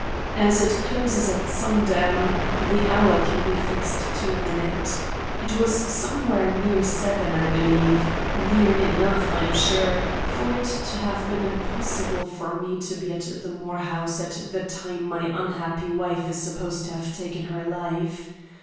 As it closes at sundown, the hour can be fixed to a minute. It was somewhere near seven, I believe; near enough, I am sure, for it to have been impossible for me to be at the Moore house at the time my unhappy wife is supposed to have taken her life.